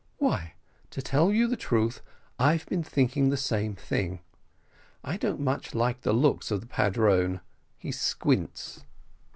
"Why, to tell you the truth, I have been thinking the same thing I don't much like the looks of the padrone he squints."